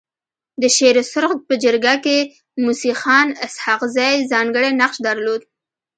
د شيرسرخ په جرګه کي موسي خان اسحق زي ځانګړی نقش درلود.